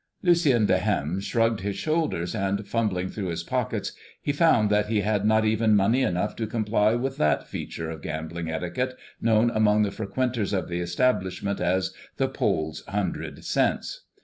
Lucien de Hem shrugged his shoulders; and fumbling through his pockets, he found that he had not even money enough to comply with that feature of gambling etiquette known among the frequenters of the establishment as "the Pole's hundred cents."